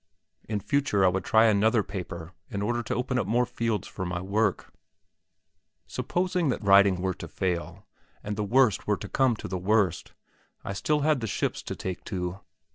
In future, I would try another paper in order to open up more fields for my work. Supposing that writing were to fail, and the worst were to come to the worst, I still had the ships to take to.